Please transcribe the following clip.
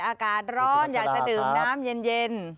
อากาศร้อนอยากจะดื่มน้ำเย็น